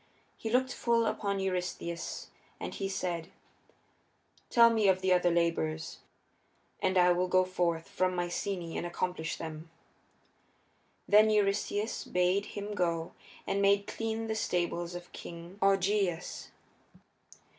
He looked full upon Eurystheus and he said, "Tell me of the other labors, and I will go forth from Mycenæ and accomplish them." Then Eurystheus bade him go and make clean the stables of King Augeias.